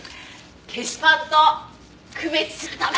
消しパンと区別するため。